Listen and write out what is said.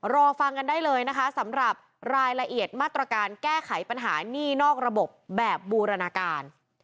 รอฟังกันได้เลยนะคะสำหรับรายละเอียดมาตรการแก้ไขปัญหานี่นอกระบบแบบบูรณาการ